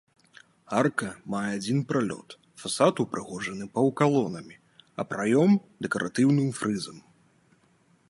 Арка мае адзін пралёт, фасад упрыгожаны паўкалонамі, а праём дэкаратыўным фрызам.